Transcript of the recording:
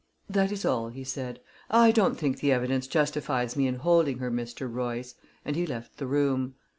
"That is all," he said. "I don't think the evidence justifies me in holding her, Mr. Royce," and he left the room.